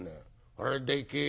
あれでけえよ」。